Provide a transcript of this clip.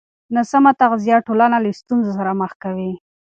ناسمه تغذیه ټولنه له ستونزو سره مخ کوي.